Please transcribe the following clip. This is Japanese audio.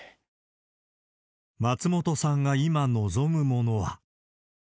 松本さんが今望むものは。